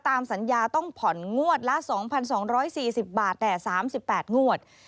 ตามสัญญาต้องผ่อนงวดละ๒๒๔๐บาทแด่๓๘งวด